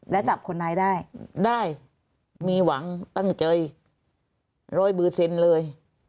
และจับคนไหนได้ได้มีหวังตั้งเจย๑๐๐เลย